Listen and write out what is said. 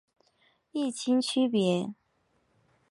异腈区别。